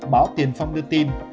báo tiền phong đưa tin